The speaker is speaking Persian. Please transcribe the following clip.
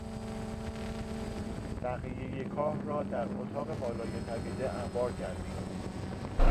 بقیهی کاه را در اطاق بالای طویله انبار کردیم.